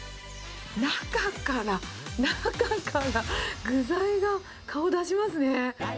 中から、中から、具材が顔出しますね。